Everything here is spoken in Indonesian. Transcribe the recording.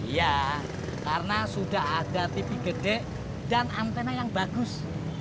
ya karena sudah ada tv gede dan antena yang bagus